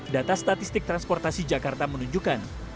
data statistik transportasi jakarta menunjukkan